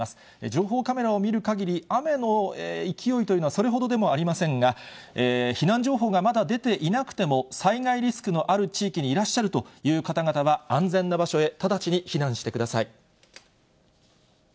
情報カメラを見るかぎり、雨の勢いというのはそれほどでもありませんが、避難情報がまだ出ていなくても、災害リスクのある地域にいらっしゃるという方々は、安全な場所へ直ちに避難してください。